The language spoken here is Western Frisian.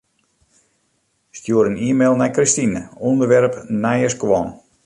Stjoer in e-mail nei Kristine, ûnderwerp nije skuon.